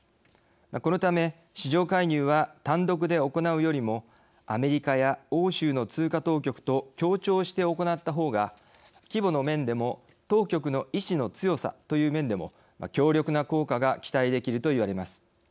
このため市場介入は単独で行うよりもアメリカや欧州の通貨当局と協調して行ったほうが規模の面でも当局の意思の強さという面でも強力な効果が期待できるといわれます。